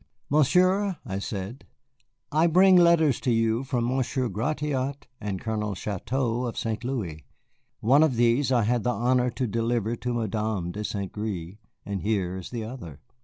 "Monsieur," I said, "I bring letters to you from Monsieur Gratiot and Colonel Chouteau of St. Louis. One of these I had the honor to deliver to Madame de St. Gré, and here is the other."